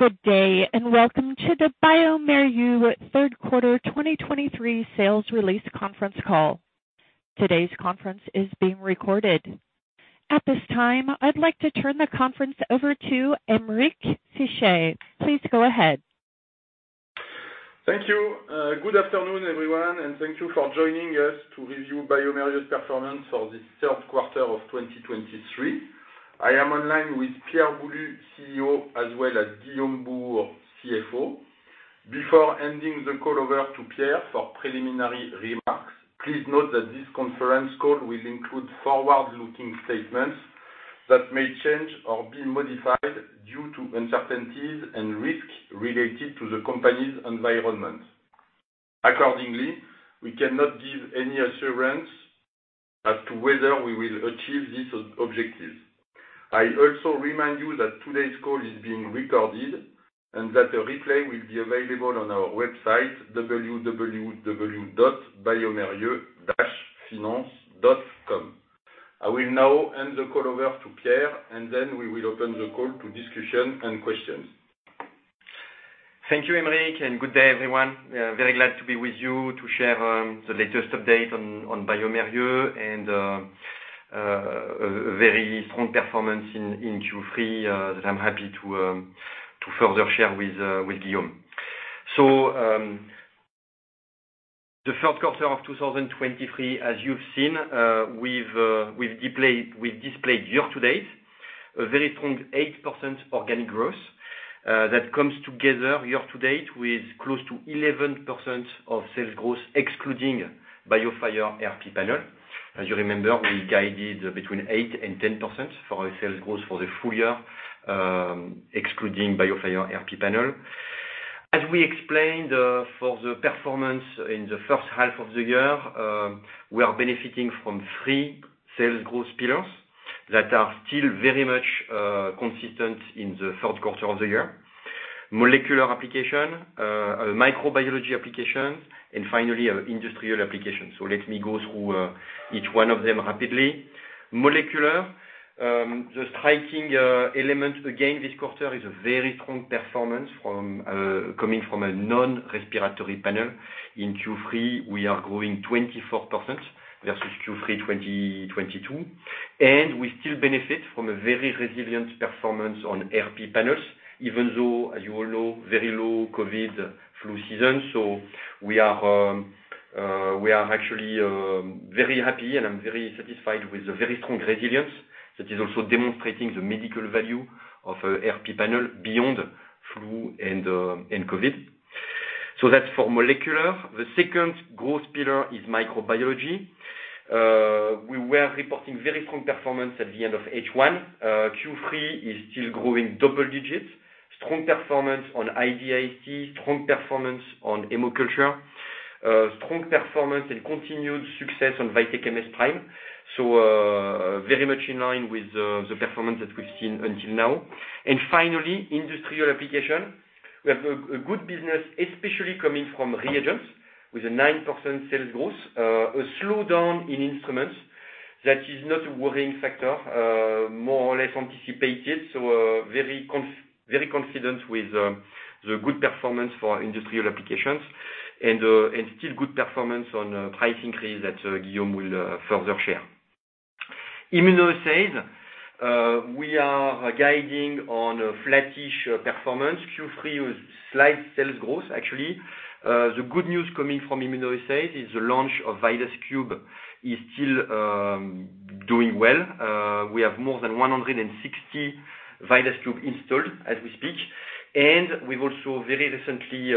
Good day, and welcome to the bioMérieux Third Quarter 2023 Sales Release Conference Call. Today's conference is being recorded. At this time, I'd like to turn the conference over to Aymeric Fichet. Please go ahead. Thank you. Good afternoon, everyone, and thank you for joining us to review bioMérieux's performance for the Q3 of 2023. I am online with Pierre Boulud, CEO, as well as Guillaume Bouhours, CFO. Before handing the call over to Pierre for preliminary remarks, please note that this conference call will include forward-looking statements that may change or be modified due to uncertainties and risks related to the company's environment. Accordingly, we cannot give any assurance as to whether we will achieve these objectives. I also remind you that today's call is being recorded and that a replay will be available on our website, www.biomerieux-finance.com. I will now hand the call over to Pierre, and then we will open the call to discussion and questions. Thank you, Aymeric, and good day, everyone. Very glad to be with you to share the latest update on bioMérieux and a very strong performance in Q3 that I'm happy to further share with Guillaume. So, the Q3 of 2023, as you've seen, we've displayed year to date a very strong 8% organic growth. That comes together year to date with close to 11% of sales growth, excluding BioFire RP panel. As you remember, we guided between 8%-10% for our sales growth for the full year, excluding BioFire RP panel. As we explained, for the performance in the first half of the year, we are benefiting from three sales growth pillars that are still very much consistent in the third quarter of the year: molecular application, microbiology application, and finally, industrial application. So let me go through each one of them rapidly. Molecular, the striking element again this quarter is a very strong performance from a non-respiratory panel. In Q3, we are growing 24% versus Q3 2022, and we still benefit from a very resilient performance on RP panels, even though, as you all know, very low COVID flu season. So we are actually very happy, and I'm very satisfied with the very strong resilience that is also demonstrating the medical value of RP panel beyond flu and COVID. So that's for molecular. The second growth pillar is microbiology. We were reporting very strong performance at the end of H1. Q3 is still growing double digits, strong performance on IVIG, strong performance on hemoculture, strong performance and continued success on VITEK MS PRIME. So, very much in line with, the performance that we've seen until now. Finally, industrial application. We have a good business, especially coming from reagents, with a 9% sales growth. A slowdown in instruments that is not a worrying factor, more or less anticipated, so, very confident with, the good performance for industrial applications and still good performance on, price increase that, Guillaume will, further share. Immunoassay, we are guiding on a flattish performance. Q3 was slight sales growth, actually. The good news coming from immunoassay is the launch of VIDAS Cube is still doing well. We have more than 160 VIDAS Cube installed as we speak. And we've also very recently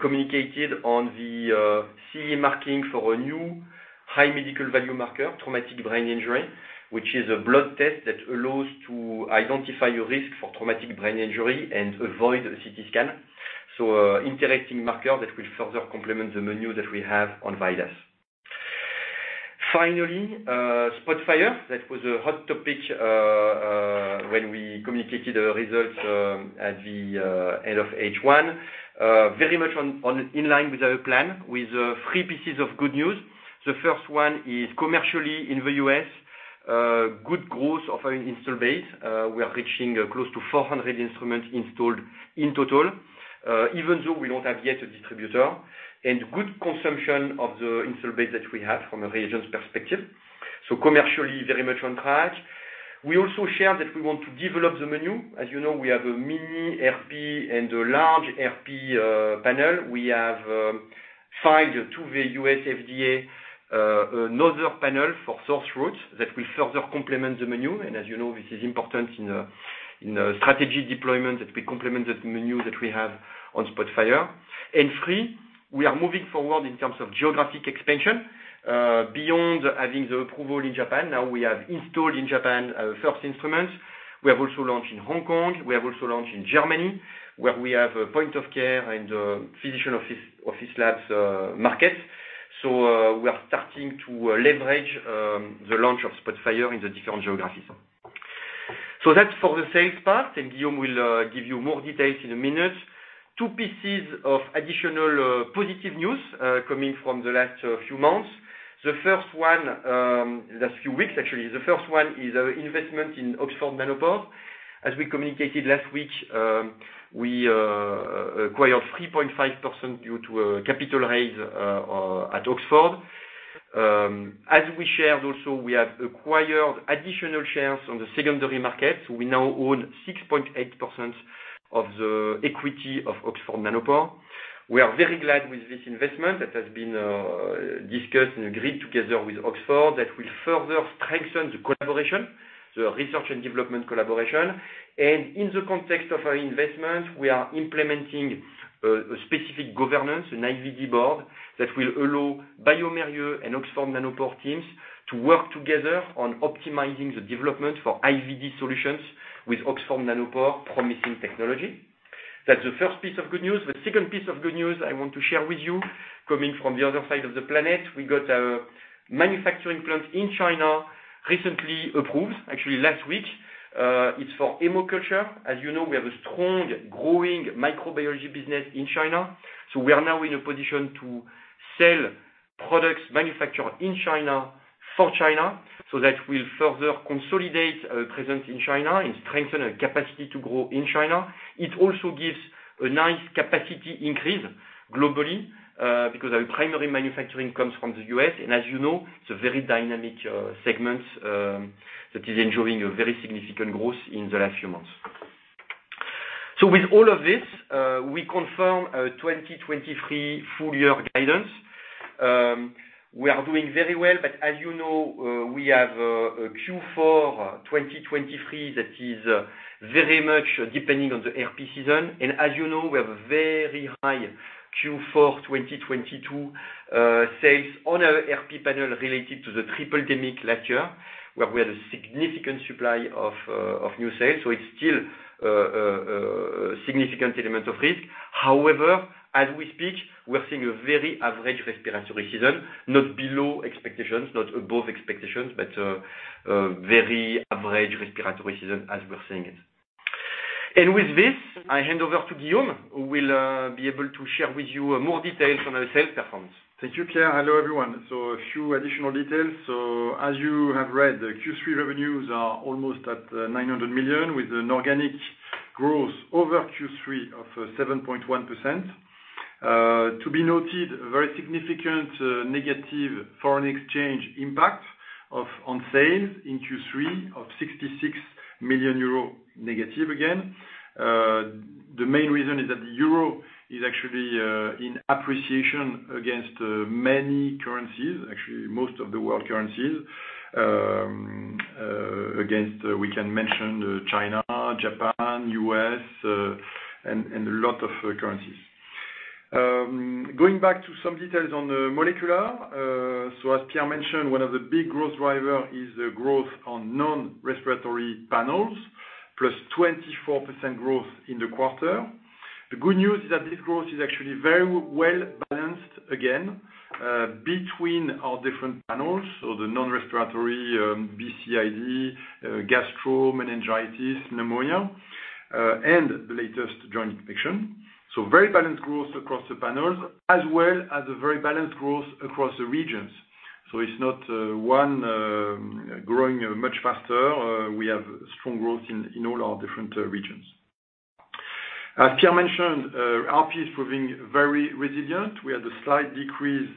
communicated on the CE Marking for a new high medical value marker, traumatic brain injury, which is a blood test that allows to identify your risk for traumatic brain injury and avoid a CT scan. So, interesting marker that will further complement the menu that we have on VIDAS. Finally, SPOTFIRE. That was a hot topic when we communicated the results at the end of H1. Very much in line with our plan, with three pieces of good news. The first one is commercially in the U.S., good growth of our install base. We are reaching close to 400 instruments installed in total, even though we don't have yet a distributor, and good consumption of the installed base that we have from a reagents perspective, so commercially, very much on track. We also shared that we want to develop the menu. As you know, we have a mini RP and a large RP panel. We have filed to the US FDA another panel for respiratory that will further complement the menu, and as you know, this is important in the strategy deployment, that we complement the menu that we have on SPOTFIRE. And three, we are moving forward in terms of geographic expansion beyond having the approval in Japan. Now, we have installed in Japan our first instrument. We have also launched in Hong Kong. We have also launched in Germany, where we have a point of care in the physician office, office labs, market. So, we are starting to leverage the launch of SPOTFIRE in the different geographies. So that's for the sales part, and Guillaume will give you more details in a minute. Two pieces of additional positive news coming from the last few months. The first one, last few weeks, actually. The first one is our investment in Oxford Nanopore. As we communicated last week, we acquired 3.5% due to a capital raise at Oxford. As we shared also, we have acquired additional shares on the secondary market, so we now own 6.8% of the equity of Oxford Nanopore. We are very glad with this investment. That has been discussed and agreed together with Oxford, that will further strengthen the collaboration, the research and development collaboration. In the context of our investment, we are implementing a specific governance, an IVD board, that will allow bioMérieux and Oxford Nanopore teams to work together on optimizing the development for IVD solutions with Oxford Nanopore promising technology. That's the first piece of good news. The second piece of good news I want to share with you, coming from the other side of the planet, we got a manufacturing plant in China recently approved, actually last week. It's for hemoculture. As you know, we have a strong, growing microbiology business in China, so we are now in a position to sell products manufactured in China for China, so that will further consolidate our presence in China and strengthen our capacity to grow in China. It also gives a nice capacity increase globally, because our primary manufacturing comes from the U.S. And as you know, it's a very dynamic segment that is enjoying a very significant growth in the last few months. So with all of this, we confirm a 2023 full year guidance. We are doing very well, but as you know, we have a Q4 2023 that is very much depending on the RP season. And as you know, we have a very high Q4 2022 sales on our RP panel related to the Triple Demic last year, where we had a significant supply of new sales. So it's still a significant element of risk. However, as we speak, we are seeing a very average respiratory season, not below expectations, not above expectations, but a very average respiratory season as we're seeing it. And with this, I hand over to Guillaume, who will be able to share with you more details on our sales performance. Thank you, Pierre. Hello, everyone. A few additional details. So as you have read, the Q3 revenues are almost at 900 million, with an organic growth over Q3 of 7.1%. To be noted, a very significant negative foreign exchange impact on sales in Q3 of 66 million euro negative again. The main reason is that the euro is actually in appreciation against many currencies, actually, most of the world currencies. Against, we can mention China, Japan, U.S., and a lot of currencies. Going back to some details on the molecular, so as Pierre mentioned, one of the big growth driver is the growth on non-respiratory panels, +24% growth in the quarter. The good news is that this growth is actually very well balanced again, between our different panels, so the non-respiratory, BCID, gastro, meningitis, pneumonia, and the latest joint infection. So very balanced growth across the panels, as well as a very balanced growth across the regions. So it's not, one, growing much faster. We have strong growth in all our different regions. As Pierre mentioned, RP is proving very resilient. We had a slight decrease,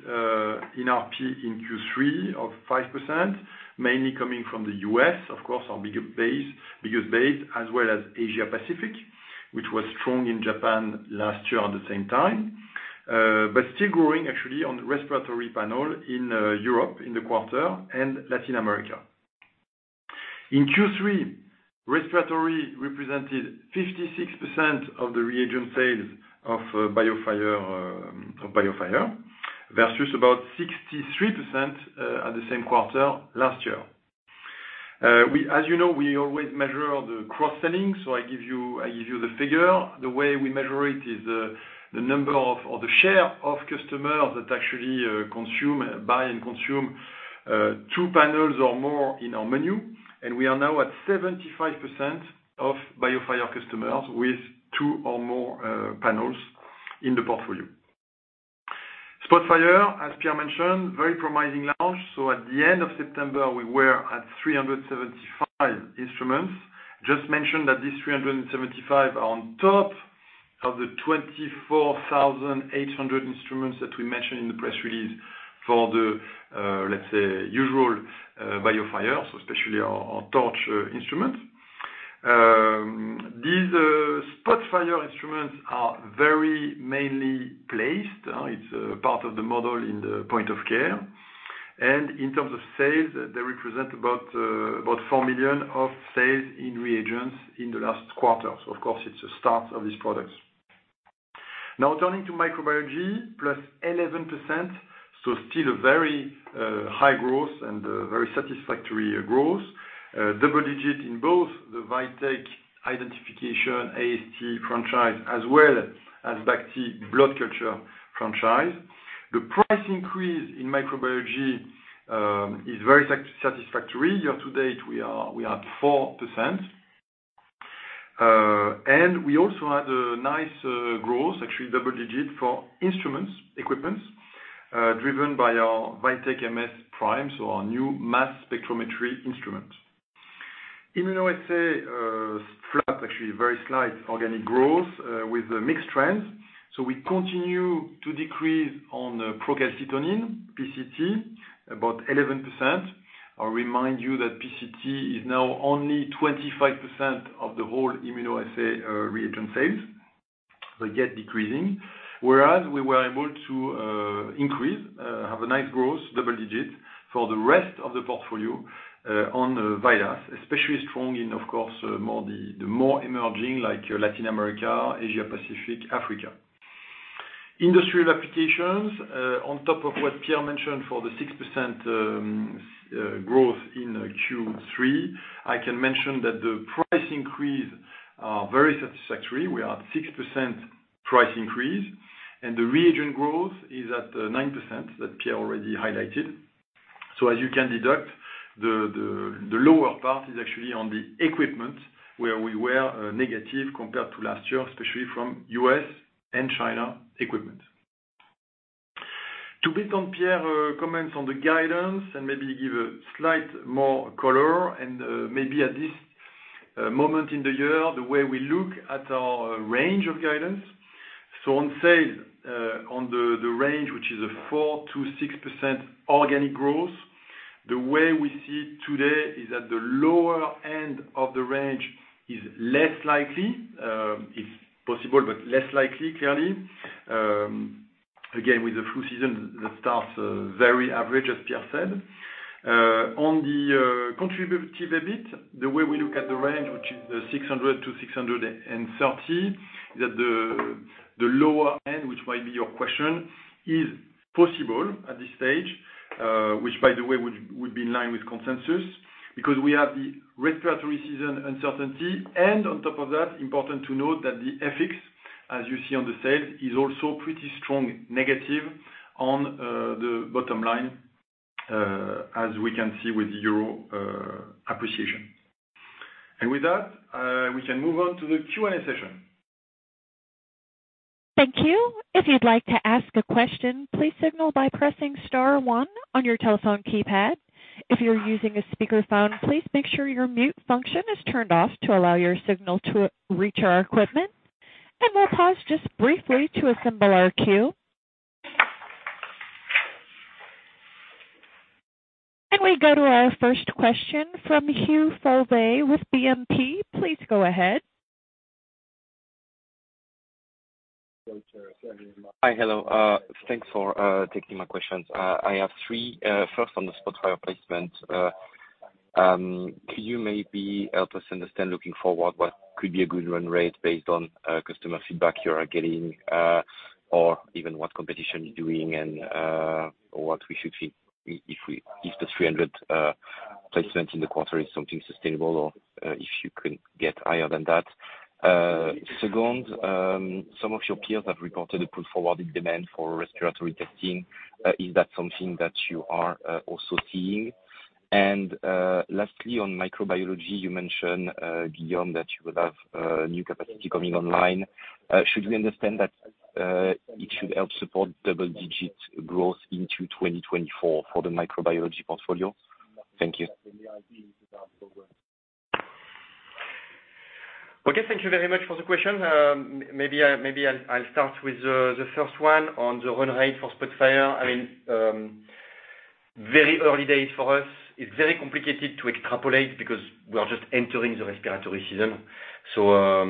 in RP in Q3 of 5%, mainly coming from the U.S., of course, our bigger base, biggest base, as well as Asia Pacific, which was strong in Japan last year at the same time. But still growing actually on the respiratory panel in Europe in the quarter and Latin America. In Q3, respiratory represented 56% of the reagent sales of BioFire of BioFire, versus about 63% at the same quarter last year. As you know, we always measure the cross-selling, so I give you, I give you the figure. The way we measure it is the number of, or the share of customers that actually consume, buy and consume two panels or more in our menu. And we are now at 75% of BioFire customers with two or more panels in the portfolio. SPOTFIRE, as Pierre mentioned, very promising launch. So at the end of September, we were at 375 instruments. Just mention that these 375 are on top of the 24,800 instruments that we mentioned in the press release for the, let's say, usual BioFire, so especially our Torch instrument. These SPOTFIRE instruments are very mainly placed. It's a part of the model in the point of care. And in terms of sales, they represent about 4 million of sales in reagents in the last quarter. So of course, it's the start of these products. Now, turning to microbiology, +11%, so still a very high growth and a very satisfactory growth. Double digit in both the VITEK identification AST franchise, as well as BACT/ALERT blood culture franchise. The price increase in microbiology is very satisfactory. Year to date, we are at 4%. And we also had a nice growth, actually double-digit, for instruments, equipments, driven by our VITEK MS PRIME, so our new mass spectrometry instrument. Immunoassay flat, actually very slight organic growth, with a mixed trend. So we continue to decrease on procalcitonin, PCT, about 11%. I'll remind you that PCT is now only 25% of the whole immunoassay reagent sales, but yet decreasing. Whereas we were able to increase, have a nice growth, double digits, for the rest of the portfolio, on the VIDAS, especially strong in, of course, more the, the more emerging, like Latin America, Asia Pacific, Africa. Industrial applications, on top of what Pierre mentioned for the 6% growth in Q3, I can mention that the price increase are very satisfactory. We are at 6% price increase, and the reagent growth is at 9%, that Pierre already highlighted. So as you can deduct, the lower part is actually on the equipment, where we were negative compared to last year, especially from U.S. and China equipment. To build on Pierre comments on the guidance and maybe give a slight more color and maybe at this moment in the year, the way we look at our range of guidance. So on sales, on the range, which is a 4%-6% organic growth, the way we see it today is at the lower end of the range is less likely, it's possible, but less likely, clearly. Again, with the flu season, the start very average, as Pierre said. On the contributive EBIT, the way we look at the range, which is 600 million-630 million, that the lower end, which might be your question, is possible at this stage. Which by the way, would be in line with consensus because we have the respiratory season uncertainty, and on top of that, important to note that the FX, as you see on the sales, is also pretty strong negative on the bottom line, as we can see with Euro appreciation. And with that, we can move on to the Q&A session. Thank you. If you'd like to ask a question, please signal by pressing star one on your telephone keypad. If you're using a speakerphone, please make sure your mute function is turned off to allow your signal to reach our equipment, and we'll pause just briefly to assemble our queue. We go to our first question from Hugh Fulvey with BNP. Please go ahead. Hi, hello. Thanks for taking my questions. I have three. First, on the SPOTFIRE placement, could you maybe help us understand, looking forward, what could be a good run rate based on customer feedback you are getting or even what competition is doing and what we should see if we—if the 300 placement in the quarter is something sustainable or if you can get higher than that? Second, some of your peers have reported a pull forward in demand for respiratory testing. Is that something that you are also seeing? Lastly, on microbiology, you mentioned, Guillaume, that you would have new capacity coming online. Should we understand that it should help support double-digit growth into 2024 for the microbiology portfolio? Thank you. Okay, thank you very much for the question. Maybe I'll start with the first one on the run rate for SPOTFIRE. I mean, very early days for us. It's very complicated to extrapolate because we are just entering the respiratory season. So,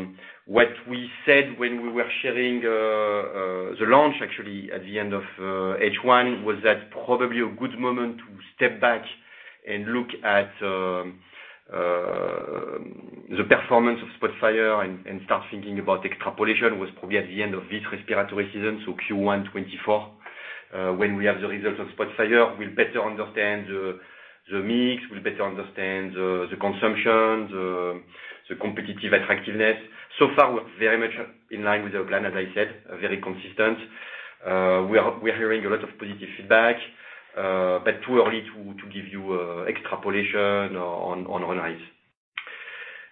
what we said when we were sharing the launch actually at the end of H1 was that probably a good moment to step back and look at the performance of SPOTFIRE and start thinking about extrapolation was probably at the end of this respiratory season, so Q1 2024. When we have the results of SPOTFIRE, we'll better understand the mix, we'll better understand the consumption, the competitive attractiveness. So far, we're very much in line with our plan, as I said, very consistent. We are hearing a lot of positive feedback, but too early to give you extrapolation on run rates.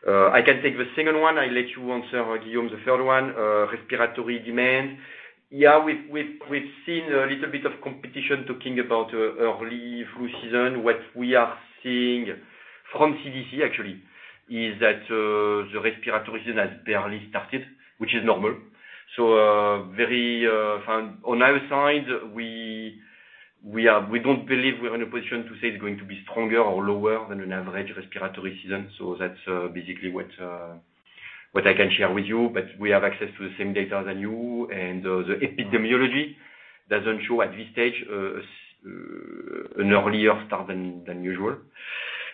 I can take the second one. I'll let you answer, Guillaume, the third one, respiratory demand. Yeah, we've seen a little bit of competition talking about early flu season. What we are seeing from CDC, actually, is that the respiratory season has barely started, which is normal. So, on our side, we don't believe we're in a position to say it's going to be stronger or lower than an average respiratory season. So that's basically what I can share with you, but we have access to the same data as you, and the epidemiology doesn't show at this stage an earlier start than usual.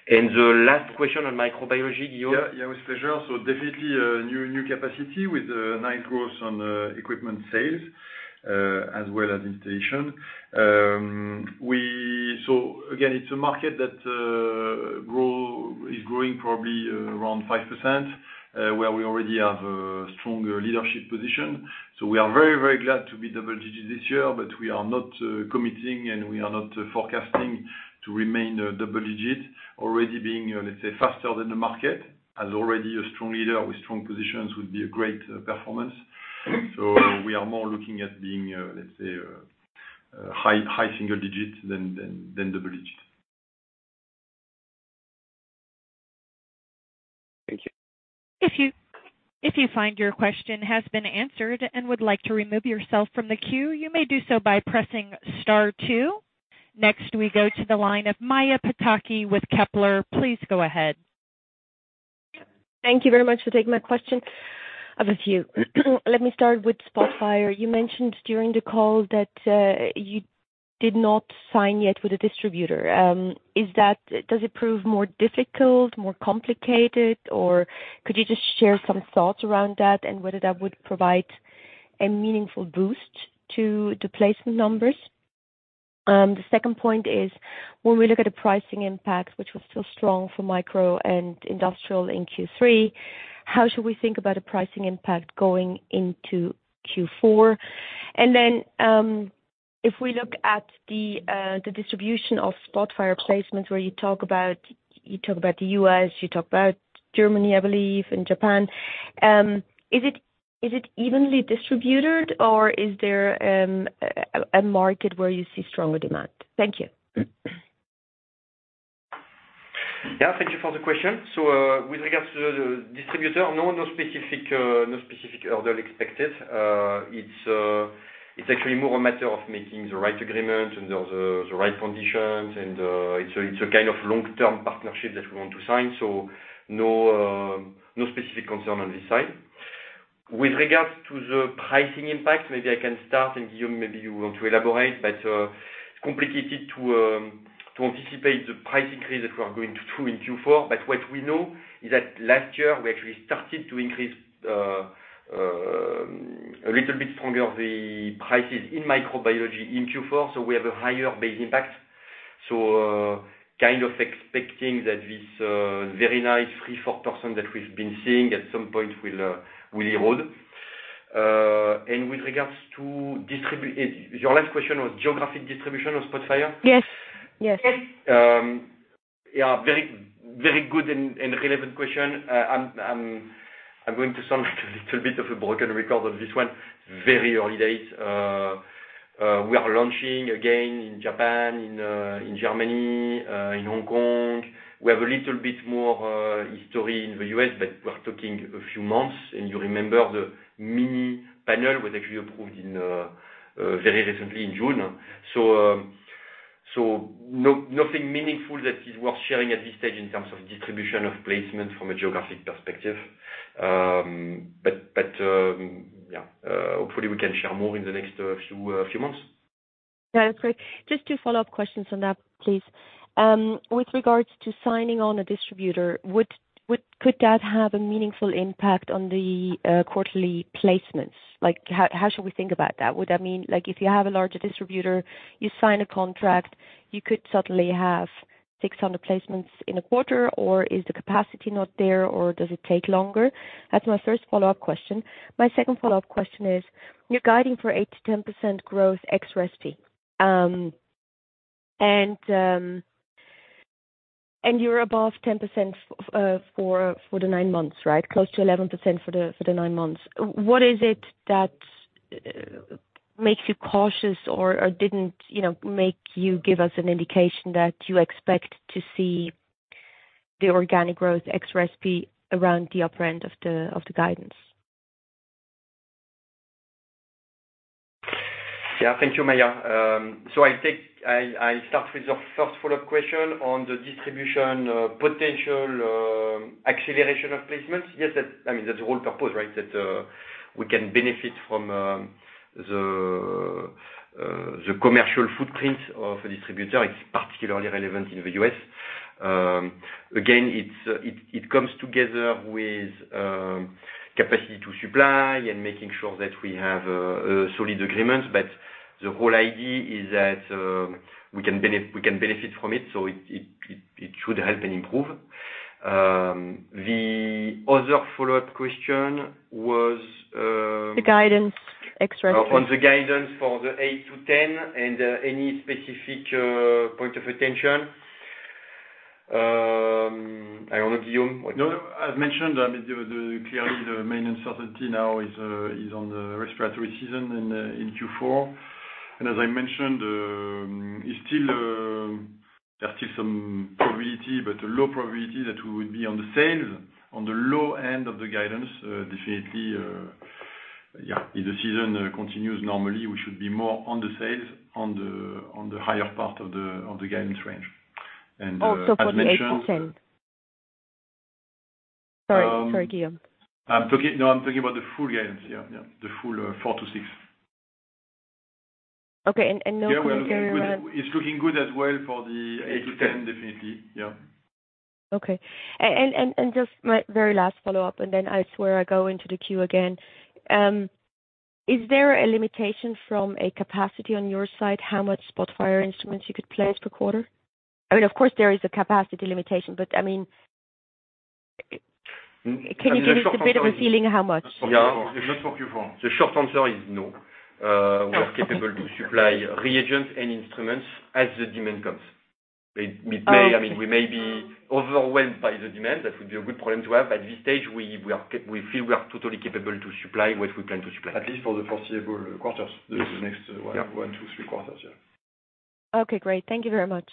The last question on microbiology, Guillaume? Yeah, yeah, with pleasure. So definitely a new capacity with a nice growth on equipment sales. as well as installation. So again, it's a market that is growing probably around 5%, where we already have a stronger leadership position. So we are very, very glad to be double digit this year, but we are not committing, and we are not forecasting to remain double digit. Already being, let's say, faster than the market, as already a strong leader with strong positions would be a great performance. So we are more looking at being, let's say, high single digits than double digits. Thank you. If you find your question has been answered and would like to remove yourself from the queue, you may do so by pressing star two. Next, we go to the line of Maja Pataki with Kepler. Please go ahead. Thank you very much for taking my question. I have a few. Let me start with SPOTFIRE. You mentioned during the call that you did not sign yet with a distributor. Is that-does it prove more difficult, more complicated, or could you just share some thoughts around that and whether that would provide a meaningful boost to the placement numbers? The second point is, when we look at the pricing impact, which was still strong for micro and industrial in Q3, how should we think about a pricing impact going into Q4? And then, if we look at the distribution of SPOTFIRE placements, where you talk about, you talk about the U.S., you talk about Germany, I believe, and Japan. Is it evenly distributed, or is there a market where you see stronger demand? Thank you. Yeah, thank you for the question. So, with regards to the distributor, no, no specific, no specific order expected. It's actually more a matter of making the right agreement and the, the right conditions, and, it's a kind of long-term partnership that we want to sign, so no, no specific concern on this side. With regards to the pricing impact, maybe I can start, and Guillaume, maybe you want to elaborate, but, it's complicated to, to anticipate the price increase that we are going to do in Q4. But what we know is that last year we actually started to increase, a little bit stronger, the prices in microbiology in Q4, so we have a higher base impact. So, kind of expecting that this very nice 3%-4% that we've been seeing at some point will erode. And with regards to distribution. Your last question was geographic distribution of SPOTFIRE? Yes. Yes. Yeah, very, very good and relevant question. I'm going to sound like a little bit of a broken record on this one. Very early days. We are launching again in Japan, in Germany, in Hong Kong. We have a little bit more history in the US, but we're talking a few months. And you remember the mini panel was actually approved very recently in June. So, nothing meaningful that is worth sharing at this stage in terms of distribution of placement from a geographic perspective. But, yeah, hopefully we can share more in the next few months. Yeah, that's great. Just two follow-up questions on that, please. With regards to signing on a distributor, could that have a meaningful impact on the quarterly placements? Like, how should we think about that? Would that mean, like, if you have a larger distributor, you sign a contract, you could suddenly have 600 placements in a quarter, or is the capacity not there, or does it take longer? That's my first follow-up question. My second follow-up question is, you're guiding for 8%-10% growth ex Resty. And you're above 10% for the nine months, right? Close to 11% for the nine months. What is it that makes you cautious or didn't, you know, make you give us an indication that you expect to see the organic growth ex Resty around the upper end of the guidance? Yeah. Thank you, Maja. So I start with the first follow-up question on the distribution potential acceleration of placements. Yes, that, I mean, that's the whole purpose, right? That we can benefit from the commercial footprint of a distributor. It's particularly relevant in the US. Again, it's, it comes together with capacity to supply and making sure that we have a solid agreement, but the whole idea is that we can benefit from it, so it should help and improve. The other follow-up question was- The guidance ex-rest. On the guidance for the 8-10, and any specific point of attention. I don't know, Guillaume. No, I've mentioned, I mean, clearly, the main uncertainty now is on the respiratory season in Q4. And as I mentioned, there's still some probability, but a low probability that we would be on the sales, on the low end of the guidance. Definitely, yeah, if the season continues normally, we should be more on the sales on the higher part of the guidance range. And, as mentioned- Also, for the 8-10. Sorry. Sorry, Guillaume. I'm talking... No, I'm talking about the full guidance. Yeah, yeah, the full, 4-6. Okay, and no- Yeah, well, it's looking good as well for the 8-10, definitely. Yeah. Okay. And just my very last follow-up, and then I swear I go into the queue again. Is there a limitation from a capacity on your side, how much SPOTFIRE instruments you could place per quarter? I mean, of course, there is a capacity limitation, but, I mean, can you give us a bit of a feeling how much? Yeah. Just for Q4. The short answer is no. We are capable to supply reagents and instruments as the demand comes. We may- Oh, okay. I mean, we may be overwhelmed by the demand. That would be a good problem to have. At this stage, we feel we are totally capable to supply what we plan to supply. At least for the foreseeable quarters, the next one- Yeah. 1, 2, 3 quarters, yeah. Okay, great. Thank you very much.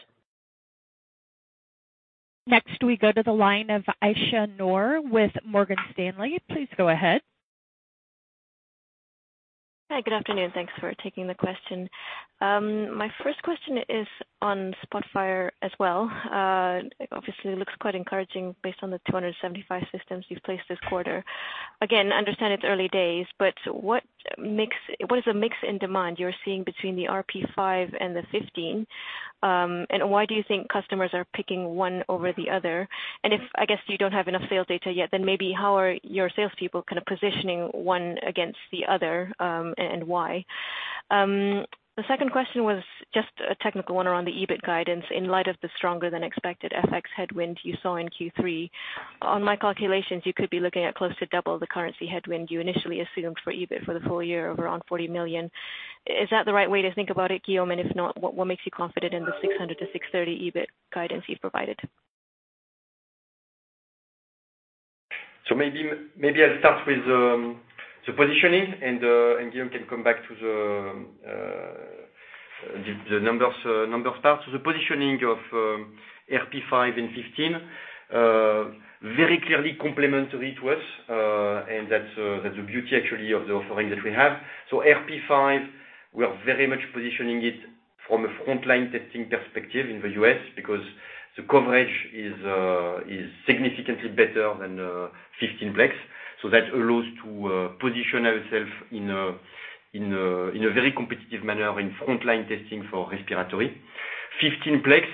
Next, we go to the line of Ayesha Noor with Morgan Stanley. Please go ahead. Hi, good afternoon. Thanks for taking the question. My first question is on SPOTFIRE as well. Obviously, it looks quite encouraging based on the 275 systems you've placed this quarter. Again, I understand it's early days, but what is the mix in demand you're seeing between the RP5 and the RP15? And why do you think customers are picking one over the other? And if, I guess, you don't have enough sales data yet, then maybe how are your salespeople kind of positioning one against the other, and why? The second question was just a technical one around the EBIT guidance in light of the stronger than expected FX headwind you saw in Q3. On my calculations, you could be looking at close to double the currency headwind you initially assumed for EBIT for the full year over around 40 million. Is that the right way to think about it, Guillaume? And if not, what, what makes you confident in the 600-630 EBIT guidance you provided? So maybe I'll start with the positioning, and Guillaume can come back to the numbers, the number part. So the positioning of RP5 and 15 very clearly complementary to us, and that's the beauty actually of the offering that we have. So RP5, we are very much positioning it from a frontline testing perspective in the U.S. because the coverage is significantly better than 15 plex. So that allows to position ourselves in a very competitive manner in frontline testing for respiratory. 15 plex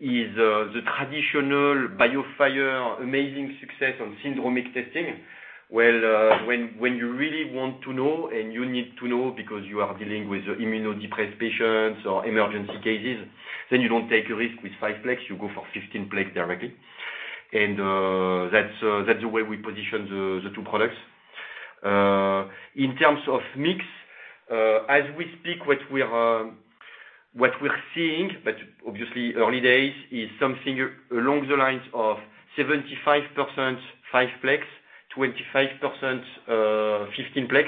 is the traditional BioFire, amazing success on syndromic testing, where, when you really want to know, and you need to know because you are dealing with immunodepressed patients or emergency cases, then you don't take a risk with 5 plex, you go for 15 plex directly. And that's the way we position the two products. In terms of mix, as we speak, what we're seeing, but obviously early days, is something along the lines of 75% 5 plex, 25% 15 plex.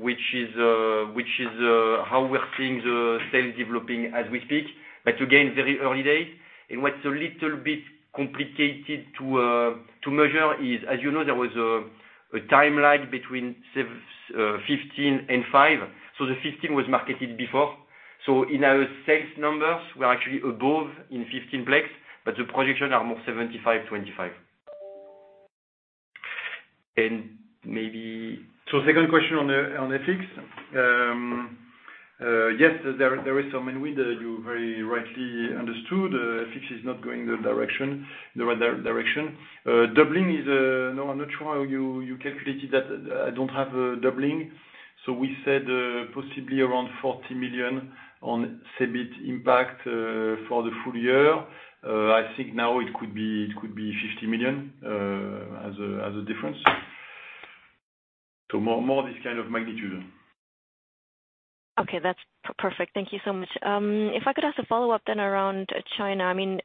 Which is how we're seeing the sales developing as we speak. But again, very early days. And what's a little bit complicated to measure is, as you know, there was a timeline between 15 and 5. So the 15 was marketed before. So in our sales numbers, we're actually above in 15 plex, but the projections are more 75-25. And maybe- So second question on FX. Yes, there is some wind. You very rightly understood, FX is not going the right direction. Doubling is, no, I'm not sure how you calculated that. I don't have a doubling. So we said, possibly around 40 million on CEBIT impact, for the full year. I think now it could be, it could be 50 million, as a difference. So more this kind of magnitude. Okay, that's perfect. Thank you so much. If I could ask a follow-up then around China. I mean,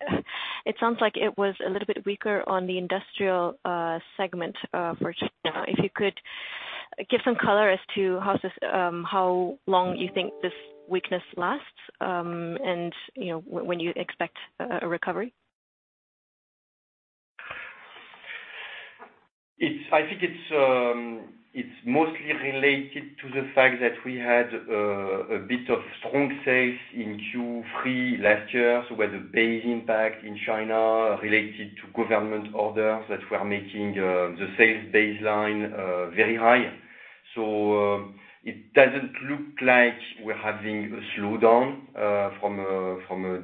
it sounds like it was a little bit weaker on the industrial segment for China. If you could give some color as to how this, how long you think this weakness lasts, and, you know, when you expect a recovery? I think it's mostly related to the fact that we had a bit of strong sales in Q3 last year, so the base impact in China related to government orders that were making the sales baseline very high. So, it doesn't look like we're having a slowdown from a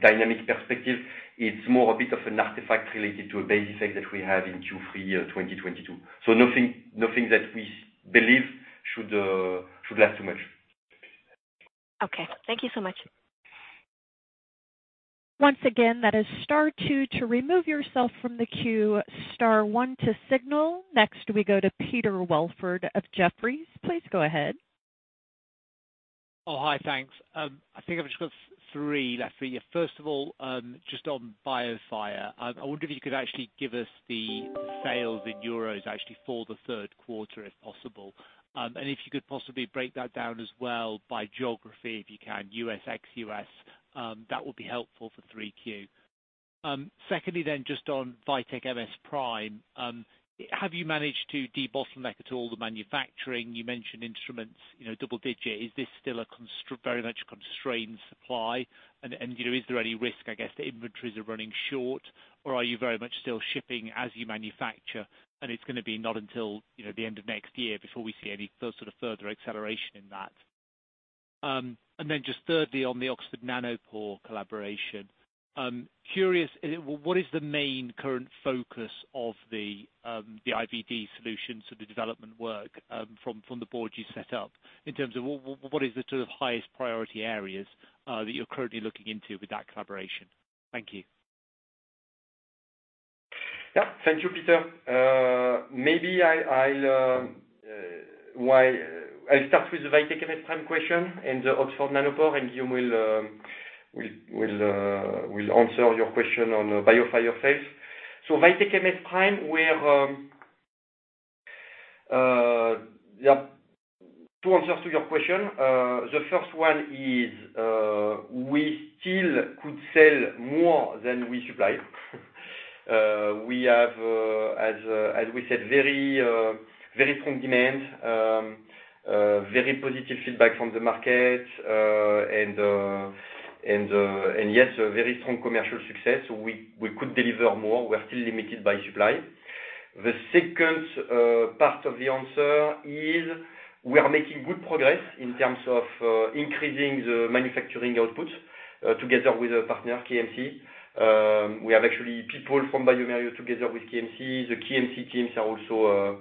dynamic perspective. It's more a bit of an artifact related to a base effect that we had in Q3, year 2022. So nothing that we believe should last too much. Okay. Thank you so much. Once again, that is star two to remove yourself from the queue, star one to signal. Next, we go to Peter Welford of Jefferies. Please go ahead. Oh, hi. Thanks. I think I've just got 3 left for you. First of all, just on BioFire, I wonder if you could actually give us the sales in EUR, actually, for the third quarter, if possible. And if you could possibly break that down as well by geography, if you can, US, ex-US, that would be helpful for 3Q. Second, then, just on VITEK MS Prime, have you managed to debottleneck at all the manufacturing? You mentioned instruments, you know, double-digit. Is this still a very much constrained supply? And, you know, is there any risk, I guess, the inventories are running short, or are you very much still shipping as you manufacture, and it's gonna be not until, you know, the end of next year before we see any sort of further acceleration in that?... And then just thirdly, on the Oxford Nanopore collaboration. Curious, what is the main current focus of the, the IVD solutions to the development work, from the board you set up, in terms of what is the sort of highest priority areas, that you're currently looking into with that collaboration? Thank you. Yeah. Thank you, Peter. Maybe I'll start with the VITEK MS PRIME question and the Oxford Nanopore, and Guillaume will answer your question on BioFire sales. So VITEK MS PRIME, we're yeah, two answers to your question. The first one is, we still could sell more than we supply. We have, as we said, very strong demand, very positive feedback from the market, and yes, a very strong commercial success. We could deliver more. We're still limited by supply. The second part of the answer is, we are making good progress in terms of increasing the manufacturing output, together with a partner, KMC. We have actually people from bioMérieux together with KMC. The KMC teams are also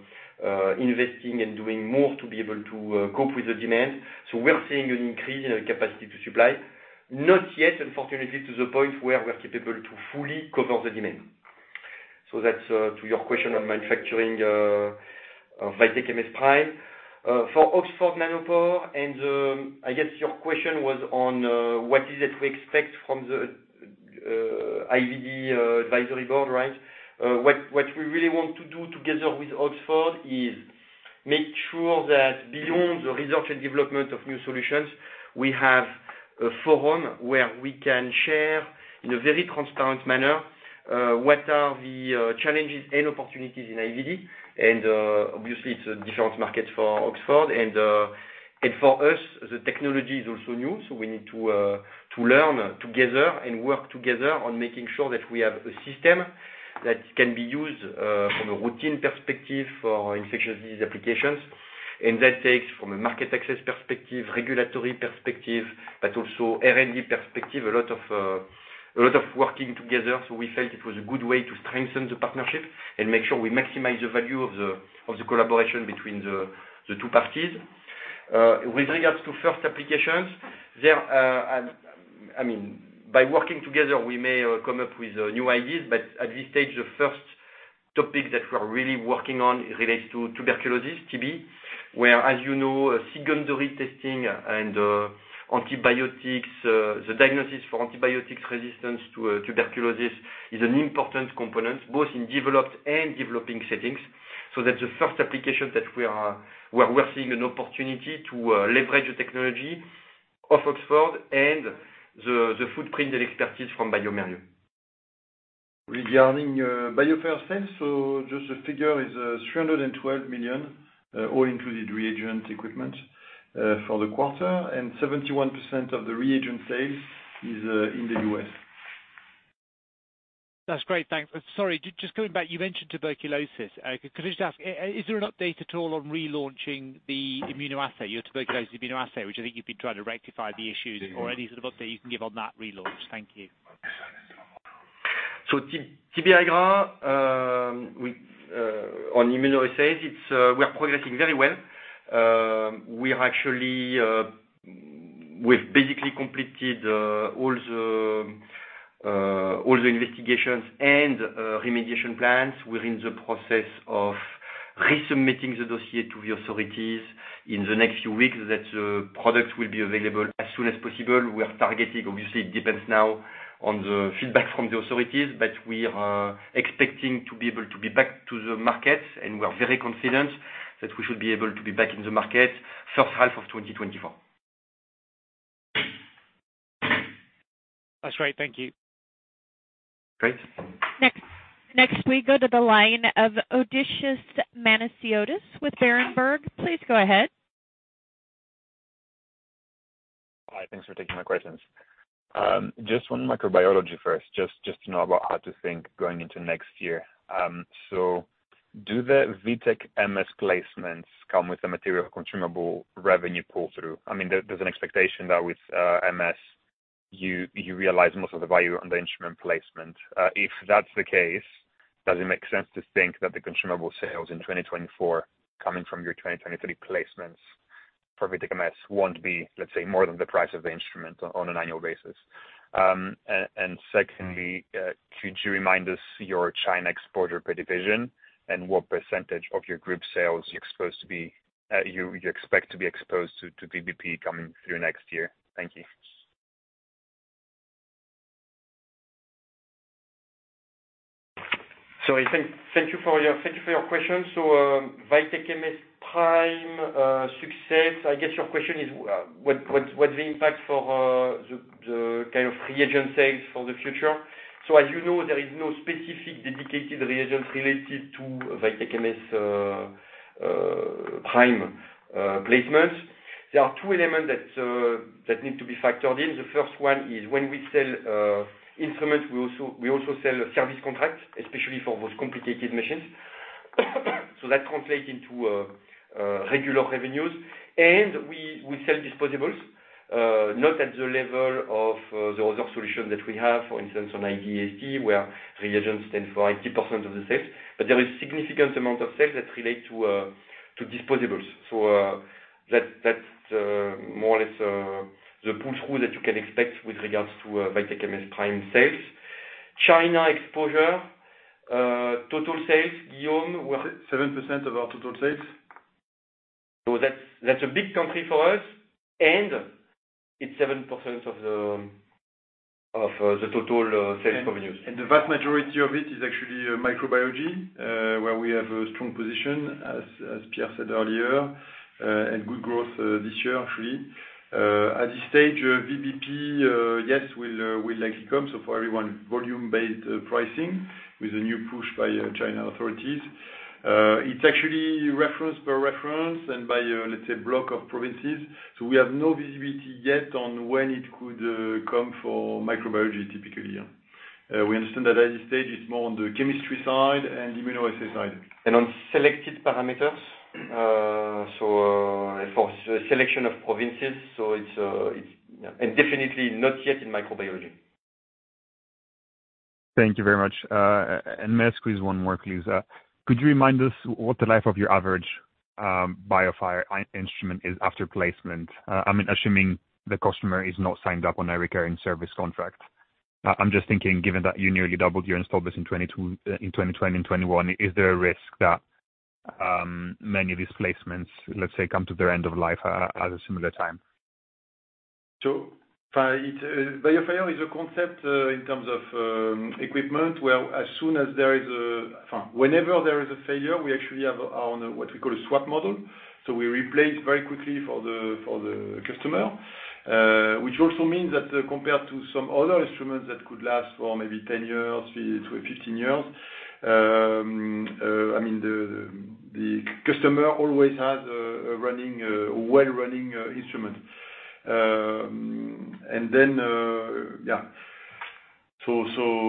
investing and doing more to be able to cope with the demand. So we're seeing an increase in our capacity to supply. Not yet, unfortunately, to the point where we're capable to fully cover the demand. So that's to your question on manufacturing of VITEK MS PRIME. For Oxford Nanopore, and I guess your question was on what is it we expect from the IVD advisory board, right? What we really want to do together with Oxford is make sure that beyond the research and development of new solutions, we have a forum where we can share, in a very transparent manner, what are the challenges and opportunities in IVD. Obviously, it's a different market for Oxford and for us, the technology is also new, so we need to learn together and work together on making sure that we have a system that can be used from a routine perspective for infectious disease applications. That takes from a market access perspective, regulatory perspective, but also R&D perspective, a lot of working together. We felt it was a good way to strengthen the partnership and make sure we maximize the value of the collaboration between the two parties. With regards to first applications, there, I mean, by working together, we may come up with new ideas, but at this stage, the first topic that we're really working on relates to tuberculosis, TB, where, as you know, secondary testing and antibiotics, the diagnosis for antibiotic resistance to tuberculosis is an important component, both in developed and developing settings. So that's the first application that we are, where we're seeing an opportunity to leverage the technology of Oxford and the footprint and expertise from bioMérieux. Regarding BioFire sales, so just the figure is 312 million, all included reagent equipment, for the quarter, and 71% of the reagent sales is in the U.S. That's great. Thanks. Sorry, just coming back, you mentioned tuberculosis. Could I just ask, is there an update at all on relaunching the immunoassay, your tuberculosis immunoassay, which I think you've been trying to rectify the issues? Or any sort of update you can give on that relaunch? Thank you. So TBI, we, on immunoassays, it's, we are progressing very well. We are actually, we've basically completed, all the, all the investigations and, remediation plans. We're in the process of resubmitting the dossier to the authorities. In the next few weeks, that, product will be available as soon as possible. We are targeting, obviously, it depends now on the feedback from the authorities, but we are expecting to be able to be back to the market, and we are very confident that we should be able to be back in the market first half of 2024. That's great. Thank you. Great. Next, next we go to the line of Odysseas Manasiotis with Berenberg. Please go ahead. Hi. Thanks for taking my questions. Just on microbiology first, to know about how to think going into next year. So do the VITEK MS placements come with a material consumable revenue pull-through? I mean, there's an expectation that with MS, you realize most of the value on the instrument placement. If that's the case, does it make sense to think that the consumable sales in 2024, coming from your 2023 placements for VITEK MS won't be, let's say, more than the price of the instrument on an annual basis? And secondly, could you remind us your China exposure by division, and what percentage of your group sales you're supposed to be, you expect to be exposed to VBP coming through next year? Thank you. So thank you for your question. So VITEK MS PRIME success, I guess your question is, what's the impact for the kind of reagent sales for the future? So as you know, there is no specific dedicated reagents related to VITEK MS PRIME placements. There are two elements that need to be factored in. The first one is when we sell instruments, we also sell service contracts, especially for those complicated machines. So that translates into regular revenues. And we sell disposables, not at the level of the other solution that we have, for instance, on IVD, where reagents stand for 80% of the sales. But there is significant amount of sales that relate to disposables. So, that's more or less the pull-through that you can expect with regards to VITEK MS PRIME sales. China exposure, total sales, Guillaume, were- 7% of our total sales. So that's a big country for us, and it's 7% of the total sales revenues. The vast majority of it is actually microbiology, where we have a strong position, as, as Pierre said earlier, and good growth this year, actually. At this stage, VBP, yes, will, will likely come. So for everyone, volume-based pricing with a new push by China authorities. It's actually reference per reference and by, let's say, block of provinces. So we have no visibility yet on when it could come for microbiology, typically. We understand that at this stage it's more on the chemistry side and immunoassay side. On selected parameters. So, for the selection of provinces, so it's and definitely not yet in microbiology. Thank you very much. And may I squeeze one more, please? Could you remind us what the life of your average BioFire instrument is after placement? I mean, assuming the customer is not signed up on a recurring service contract. I'm just thinking, given that you nearly doubled your installs in 2020 and 2021, is there a risk that many of these placements, let's say, come to their end of life at a similar time? So by it, BioFire is a concept, in terms of equipment, where as soon as there is a failure, we actually have on what we call a swap model. So we replace very quickly for the customer, which also means that compared to some other instruments that could last for maybe 10-15 years, I mean, the customer always has a running, well-running instrument. And then, so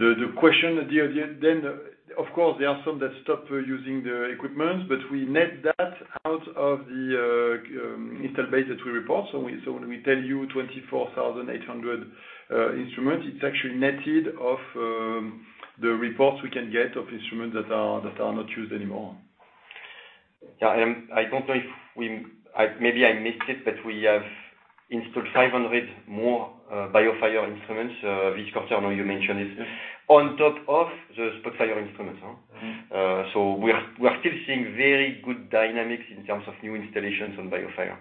the question at the end, then, of course, there are some that stop using the equipment, but we net that out of the installed base that we report. So when we tell you 24,800 instruments, it's actually netted of the reports we can get of instruments that are not used anymore. Yeah, and I don't know if we—I, maybe I missed it, but we have installed 500 more BioFire instruments. Victor, I know you mentioned this. On top of the SPOTFIRE instruments, huh? Mm-hmm. So we are still seeing very good dynamics in terms of new installations on BioFire.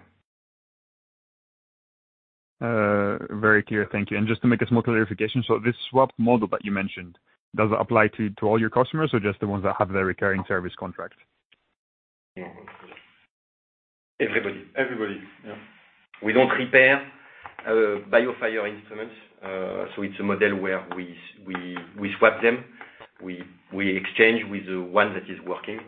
Very clear. Thank you. And just to make a small clarification: so this swap model that you mentioned, does it apply to, to all your customers or just the ones that have the recurring service contract? Everybody. Everybody, yeah. We don't repair BioFire instruments, so it's a model where we swap them. We exchange with the one that is working,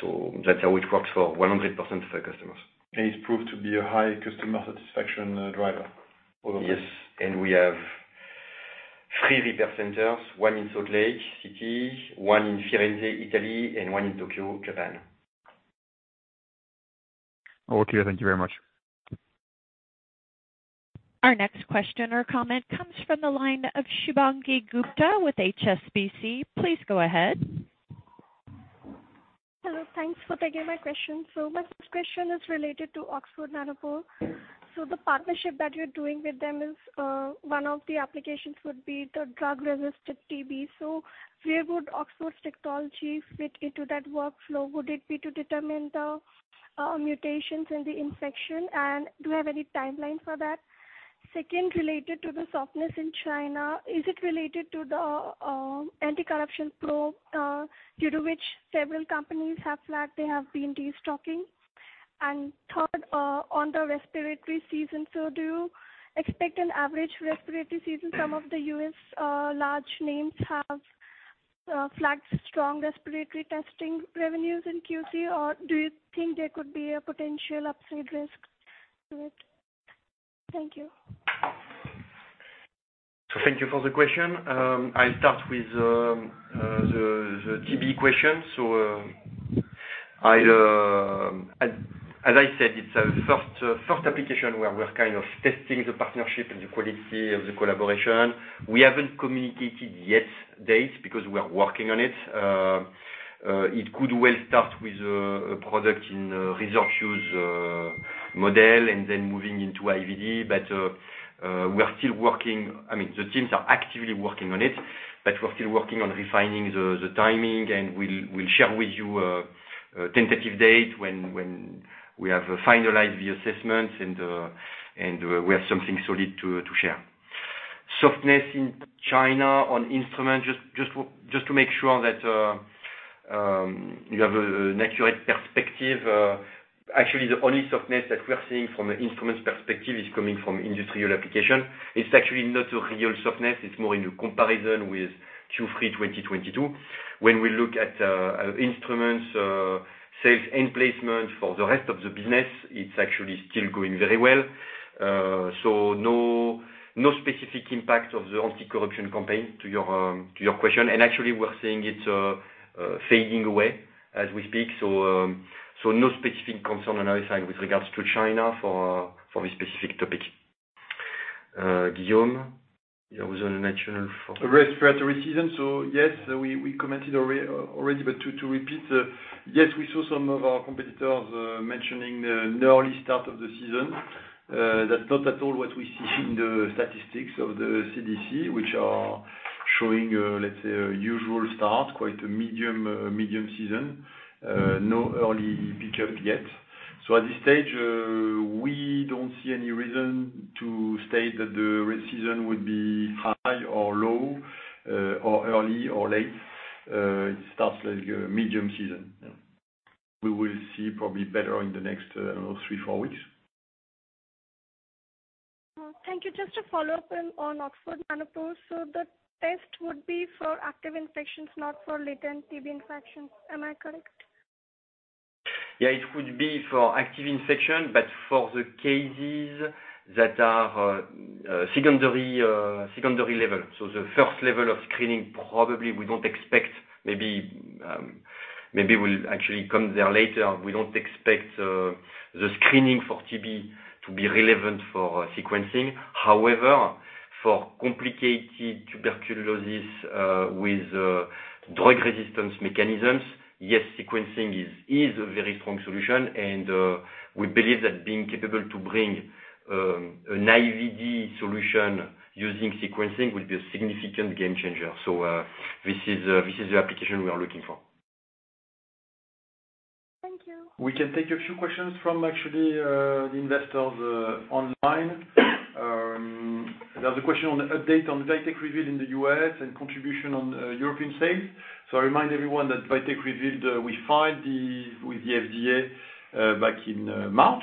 so that's how it works for 100% of the customers. It's proved to be a high customer satisfaction driver. Yes. And we have three repair centers, one in Salt Lake City, one in Firenze, Italy, and one in Tokyo, Japan. All clear. Thank you very much. Our next question or comment comes from the line of Shubhangi Gupta with HSBC. Please go ahead. Hello. Thanks for taking my question. So my first question is related to Oxford Nanopore. So the partnership that you're doing with them is, one of the applications would be the drug-resistant TB. So where would Oxford's technology fit into that workflow? Would it be to determine the mutations and the infection, and do you have any timeline for that? Second, related to the softness in China, is it related to the anti-corruption probe, due to which several companies have flagged they have been destocking? And third, on the respiratory season, so do you expect an average respiratory season? Some of the U.S. large names have flagged strong respiratory testing revenues in Q3, or do you think there could be a potential upside risk to it? Thank you. So thank you for the question. I'll start with the TB question. So, as I said, it's a first application where we're kind of testing the partnership and the quality of the collaboration. We haven't communicated yet dates, because we are working on it. It could well start with a product in a research use model and then moving into IVD. But we are still working—I mean, the teams are actively working on it, but we're still working on refining the timing, and we'll share with you a tentative date when we have finalized the assessments and we have something solid to share. Softness in China on instruments, just to make sure that you have an accurate perspective. Actually, the only softness that we're seeing from an instruments perspective is coming from industrial application. It's actually not a real softness. It's more in the comparison with Q3 2022. When we look at instruments sales and placement for the rest of the business, it's actually still going very well. So no, no specific impact of the anti-corruption campaign to your question. And actually, we're seeing it fading away as we speak. So, so no specific concern on our side with regards to China for this specific topic. Guillaume? Yeah, it was on a national for- Respiratory season. So yes, we commented already, but to repeat, yes, we saw some of our competitors mentioning the early start of the season. That's not at all what we see in the statistics of the CDC, which are showing, let's say, a usual start, quite a medium season. No early pickup yet. So at this stage, we don't see any reason to state that the season would be high or low, or early or late. It starts like a medium season. We will see probably better in the next three, four weeks. Thank you. Just a follow-up on Oxford Nanopore. So the test would be for active infections, not for latent TB infections, am I correct? Yeah, it would be for active infection, but for the cases that are secondary level. So the first level of screening, probably we don't expect maybe we'll actually come there later. We don't expect the screening for TB to be relevant for sequencing. However, for complicated tuberculosis with drug resistance mechanisms, yes, sequencing is a very strong solution, and we believe that being capable to bring an IVD solution using sequencing will be a significant game changer. So, this is the application we are looking for. Thank you. We can take a few questions from actually, the investors, online. There's a question on the update on the VITEK REVEAL in the U.S. and contribution on European sales. So I remind everyone that VITEK REVEAL, we filed with the FDA back in March.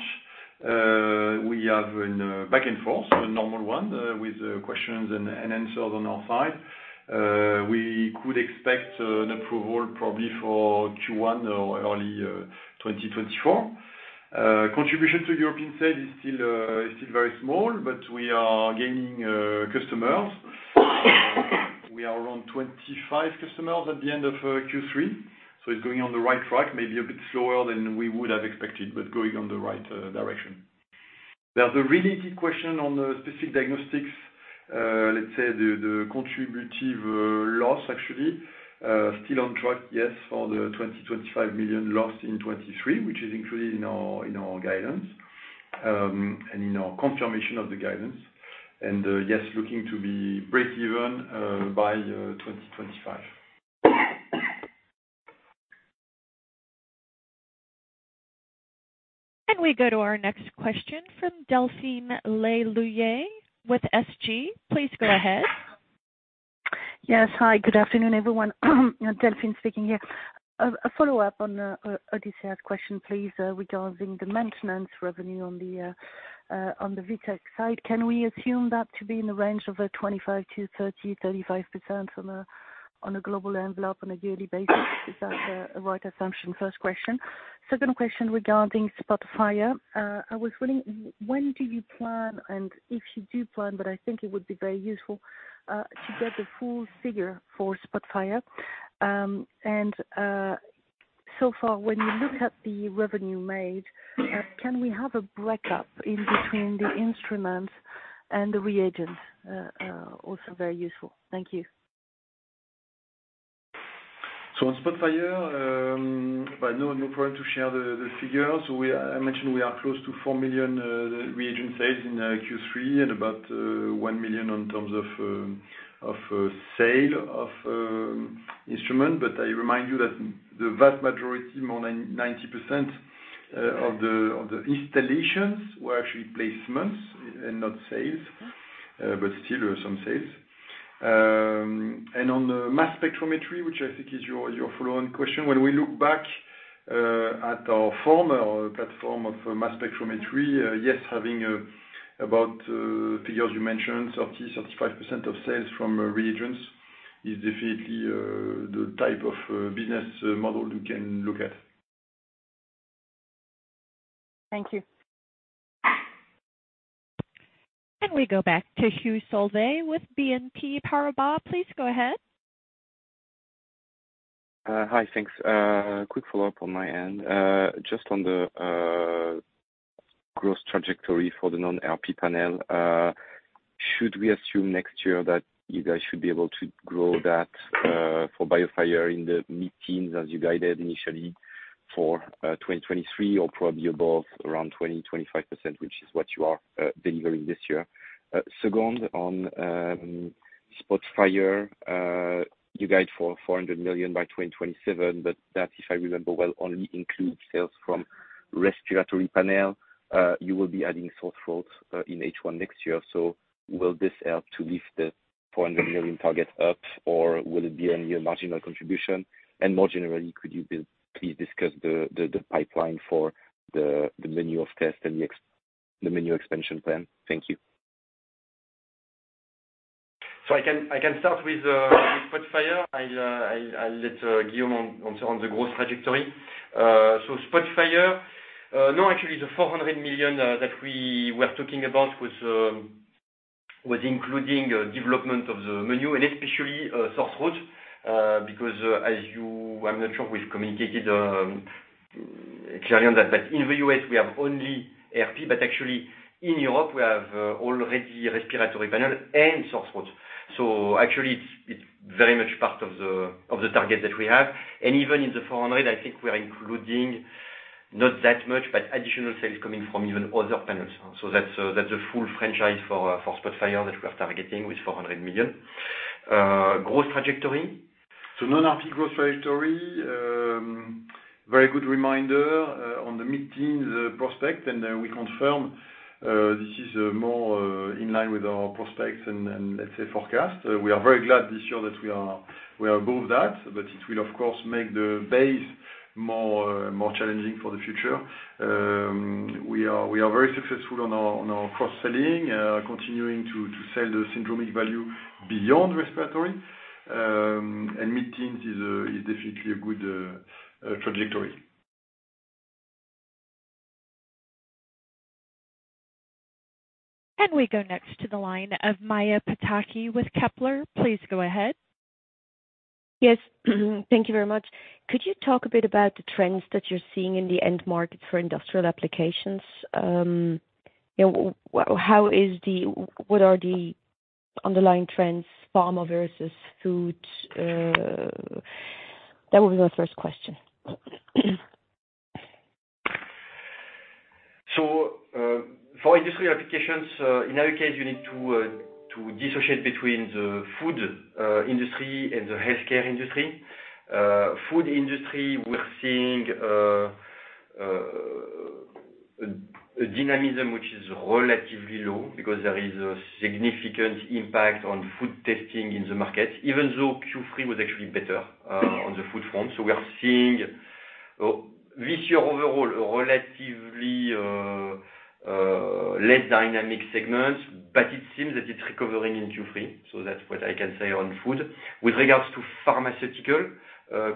We have a back and forth, a normal one, with questions and answers on our side. We could expect an approval probably for Q1 or early 2024. Contribution to European side is still very small, but we are gaining customers. We are around 25 customers at the end of Q3, so it's going on the right track, maybe a bit slower than we would have expected, but going on the right direction. There's a related question on the Specific Diagnostics, let's say the, the contributive, loss actually. Still on track, yes, for the 25 million loss in 2023, which is included in our, in our guidance, and in our confirmation of the guidance. Yes, looking to be breakeven, by, 2025. We go to our next question from Delphine Le Louët with SG. Please go ahead. Yes. Hi, good afternoon, everyone. Delphine speaking here. A follow-up on Odysseas' question, please, regarding the maintenance revenue on the VITEK side. Can we assume that to be in the range of 25%-35% on a global envelope on a yearly basis? Is that the right assumption? First question. Second question regarding SPOTFIRE. I was wondering, when do you plan, and if you do plan, but I think it would be very useful, to get the full figure for SPOTFIRE. And so far, when you look at the revenue made, can we have a breakup in between the instruments and the reagents? Also very useful. Thank you. So on SPOTFIRE, but no, no problem to share the, the figures. I mentioned we are close to 4 million reagent sales in Q3 and about 1 million in terms of sale of instrument. But I remind you that the vast majority, more than 90% of the installations were actually placements and not sales, but still some sales. And on the mass spectrometry, which I think is your follow-on question, when we look back at our former platform of mass spectrometry, yes, having about figures you mentioned, 30%-35% of sales from reagents is definitely the type of business model we can look at. Thank you. We go back to Hugh Fulvey with BNP Paribas. Please go ahead. Hi, thanks. Quick follow-up on my end. Just on the growth trajectory for the non-LP panel, should we assume next year that you guys should be able to grow that for BioFire in the mid-teens, as you guided initially for 2023, or probably above around 25%, which is what you are delivering this year? Second, on SPOTFIRE, you guide for 400 million by 2027, but that, if I remember well, only includes sales from respiratory panel. You will be adding sore throat in H1 next year, so will this help to lift the 400 million target up, or will it be only a marginal contribution? More generally, could you please discuss the pipeline for the menu of tests and the menu expansion plan? Thank you. So I can start with SPOTFIRE. I'll let Guillaume on the growth trajectory. So SPOTFIRE, no, actually, the 400 million that we were talking about was including development of the menu and especially SPOTFIRE. Because, as you—I'm not sure we've communicated clearly on that, but in the US we have only RP, but actually in Europe, we have already respiratory panel and SPOTFIRE. So actually, it's very much part of the target that we have. And even in the 400, I think we are including not that much, but additional sales coming from even other panels. So that's a full franchise for SPOTFIRE that we are targeting with 400 million. Growth trajectory? So non-RP growth trajectory, very good reminder on the mid-teens prospect, and we confirm this is more in line with our prospects and let's say forecast. We are very glad this year that we are above that, but it will, of course, make the base more challenging for the future. We are very successful on our cross-selling, continuing to sell the syndromic value beyond respiratory. And mid-teens is definitely a good trajectory. We go next to the line of Maja Pataki with Kepler. Please go ahead. Yes. Thank you very much. Could you talk a bit about the trends that you're seeing in the end market for industrial applications? You know, what are the underlying trends, pharma versus food? That would be my first question. So, for industrial applications, in our case, you need to dissociate between the food industry and the healthcare industry. Food industry, we're seeing a dynamism, which is relatively low because there is a significant impact on food testing in the market, even though Q3 was actually better on the food front. So we are seeing this year overall a relatively less dynamic segment, but it seems that it's recovering in Q3, so that's what I can say on food. With regards to pharmaceutical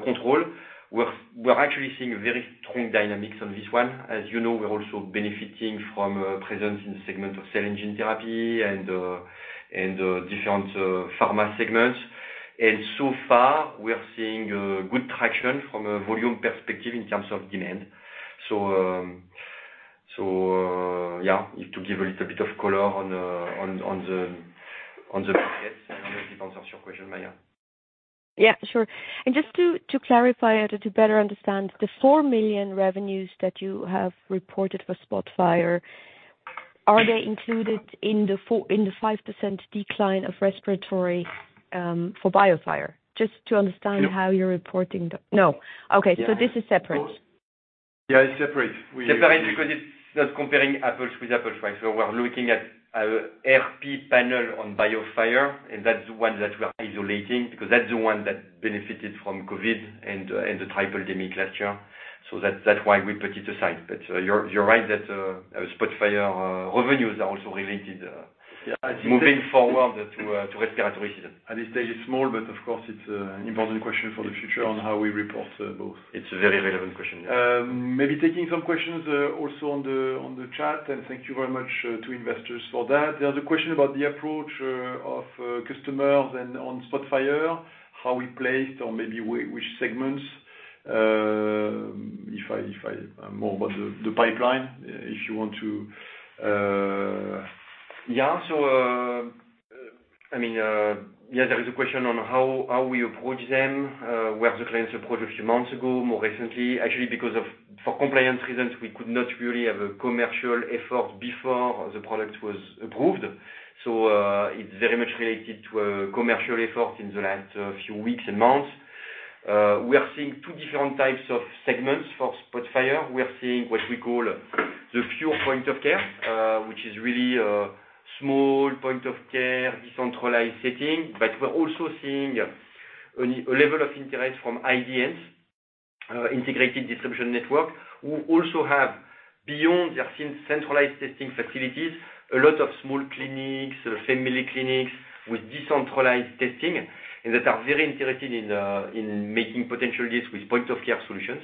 control, we're actually seeing a very strong dynamics on this one. As you know, we're also benefiting from presence in the segment of cell and gene therapy and different pharma segments. And so far, we are seeing good traction from a volume perspective in terms of demand. So, yeah, if to give a little bit of color on the [inaudible, I don't know if you can answer your question, Maja. Yeah, sure. And just to clarify or to better understand, the 4 million revenues that you have reported for SPOTFIRE, are they included in the five percent decline of respiratory for BioFire? Just to understand? No. No. Okay. Yeah. This is separate? Yeah, it's separate. We- Separate, because it's not comparing apples with apples, right? So we're looking at RP panel on BioFire, and that's the one that we are isolating, because that's the one that benefited from COVID and the triple pandemic last year. So that's why we put it aside. But you're right that SPOTFIRE revenues are also related- Yeah, I think- Moving forward to respiratory season. At this stage, it's small, but of course, it's an important question for the future on how we report both. It's a very relevant question, yeah. Maybe taking some questions also on the chat, and thank you very much to investors for that. There's a question about the approach of customers and on SPOTFIRE, how we placed or maybe which segments. If I more about the pipeline, if you want to... Yeah. So, I mean, yeah, there is a question on how we approach them. Were the clients approached a few months ago, more recently? Actually, because, for compliance reasons, we could not really have a commercial effort before the product was approved. So, it's very much related to a commercial effort in the last few weeks and months. We are seeing two different types of segments for SPOTFIRE. We are seeing what we call the pure point of care, which is really a small point of care, decentralized setting. But we're also seeing a level of interest from IDNs, Integrated Delivery Network, who also have, beyond their centralized testing facilities, a lot of small clinics, family clinics with decentralized testing, and that are very interested in making potential deals with point-of-care solutions.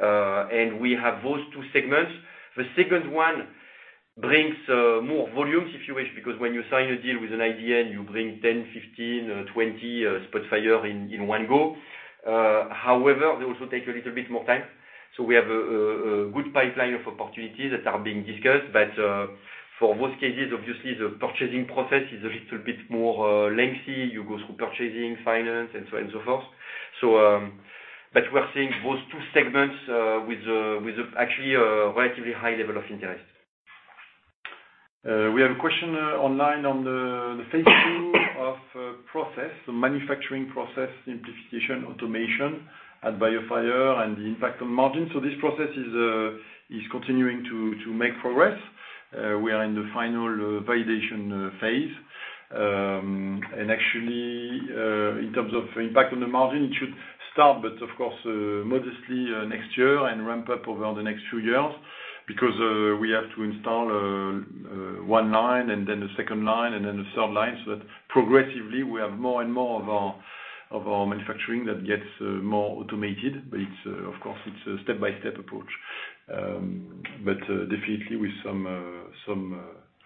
And we have those two segments. The second one brings more volumes, if you wish, because when you sign a deal with an IDN, you bring 10, 15, 20 SPOTFIRE in one go. However, they also take a little bit more time. So we have a good pipeline of opportunities that are being discussed. But for most cases, obviously, the purchasing process is a little bit more lengthy. You go through purchasing, finance, and so on and so forth. But we're seeing those two segments with actually a relatively high level of interest. We have a question online on the phase two of process, the manufacturing process, simplification, automation at BioFire, and the impact on margin. So this process is continuing to make progress. We are in the final validation phase. And actually in terms of impact on the margin, it should start, but of course, modestly, next year and ramp up over the next few years. Because we have to install one line and then a second line, and then a third line, so that progressively we have more and more of our manufacturing that gets more automated. But it's of course, it's a step-by-step approach. But definitely with some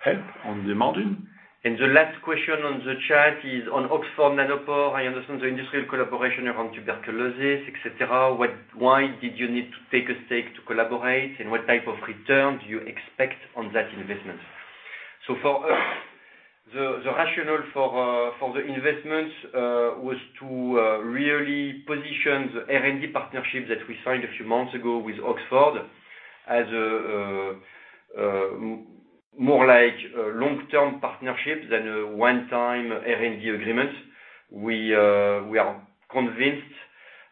help on the margin. And the last question on the chat is on Oxford Nanopore. I understand the industrial collaboration around tuberculosis, et cetera. Why did you need to take a stake to collaborate? And what type of return do you expect on that investment? So for us, the rationale for the investment was to really position the R&D partnership that we signed a few months ago with Oxford, as more like a long-term partnership than a one-time R&D agreement. We are convinced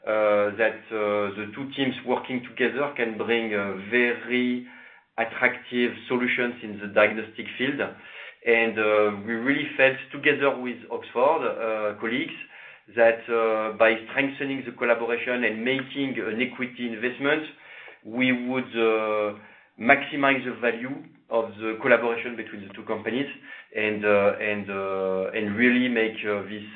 that the two teams working together can bring very attractive solutions in the diagnostic field. And we really felt together with Oxford colleagues that by strengthening the collaboration and making an equity investment, we would maximize the value of the collaboration between the two companies, and really make this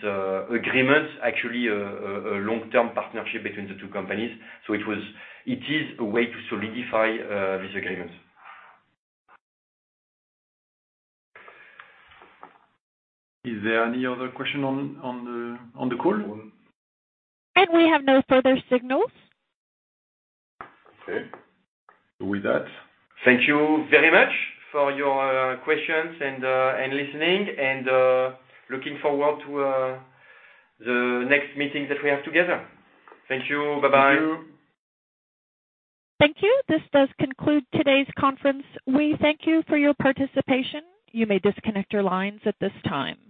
agreement actually a long-term partnership between the two companies. So it was, it is a way to solidify this agreement. Is there any other question on the call? We have no further signals. Okay. With that- Thank you very much for your questions and listening, and looking forward to the next meeting that we have together. Thank you. Bye-bye. Thank you. Thank you. This does conclude today's conference. We thank you for your participation. You may disconnect your lines at this time.